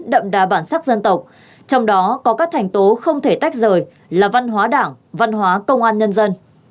đậm đà bản sắc dân tộc trong đó có các thành tố không thể tách rời là văn hóa đảng văn hóa công an nhân dân